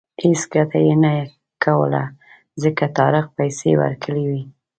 هېڅ ګټه یې نه کوله ځکه طارق پیسې ورکړې وې.